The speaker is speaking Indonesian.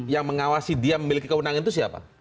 yang mengawasi dia memiliki kewenangan itu siapa